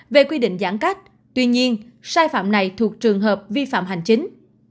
về quy định giãn cách tuy nhiên sai phạm này thuộc trường hợp vi phạm hành chính